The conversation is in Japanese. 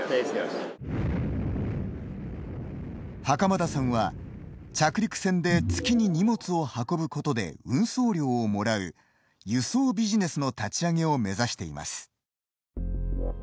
袴田さんは、着陸船で月に荷物を運ぶことで運送料をもらう「輸送ビジネス」の立ち上げを目指しています。